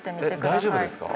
大丈夫ですか？